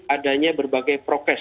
adanya berbagai prokes